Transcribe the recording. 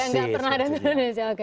yang tidak pernah ada di indonesia oke